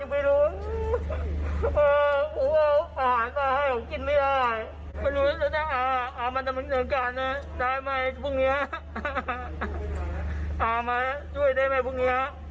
มีการได้แม่พรุ่งนี้มาช่วยได้แม่พรุ่งนี้